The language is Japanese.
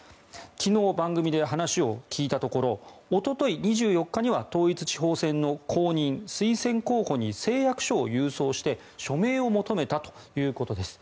昨日、番組で話を聞いたところおととい、２４日には統一地方選の公認・推薦候補に誓約書を郵送して署名を求めたということです。